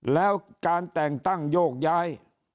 แล้วการแต่งตั้งโยกย้าย